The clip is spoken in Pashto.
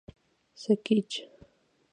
سکیچ